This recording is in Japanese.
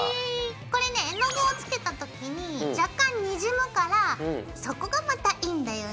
これね絵の具をつけた時に若干にじむからそこがまたいいんだよね。